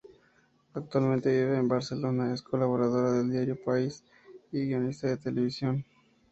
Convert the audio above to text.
Actualmente vive en Barcelona, es colaboradora del diario "El País" y guionista de televisión.